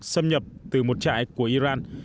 xâm nhập từ một trại của iran